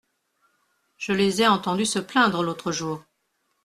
Je les ai entendus se plaindre l’autre jour.